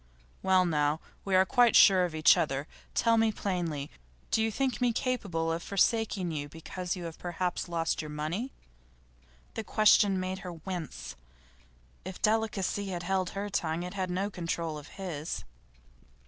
'Well now, we are quite sure of each other. Tell me plainly, do you think me capable of forsaking you because you have perhaps lost your money?' The question made her wince. If delicacy had held her tongue, it had no control of HIS.